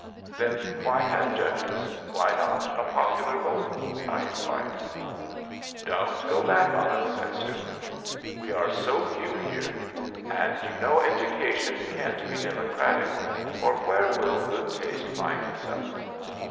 "Then why have judges? Why not a popular vote?" I inquired. "Don't go back on us," said Stuart. "We are so few here. And you know education can't be democratic or where will good taste find itself?